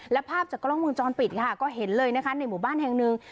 และภาพจากกล้องวงจรปิดค่ะก็เห็นเลยนะคะในหมู่บ้านแห่งหนึ่ง